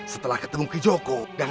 setelah ketemu kijoko